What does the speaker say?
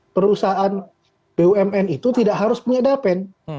perusahaan bumn itu tidak harus punya dapen